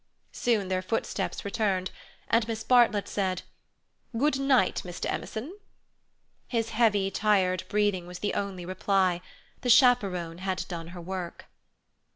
Soon their footsteps returned, and Miss Bartlett said: "Good night, Mr. Emerson." His heavy, tired breathing was the only reply; the chaperon had done her work.